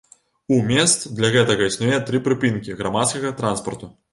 У месц для гэтага існуе тры прыпынкі грамадскага транспарту.